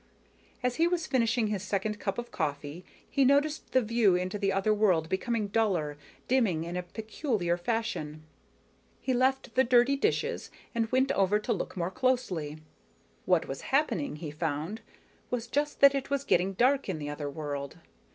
As he was finishing his second cup of coffee, he noticed the view into the other world becoming duller, dimming in a peculiar fashion. He left the dirty dishes and went over to look more closely. What was happening, he found, was just that it was getting dark in the other world.